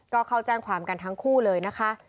ก็เข้าแจ้งความกันทั้งคู่เลยนะคะ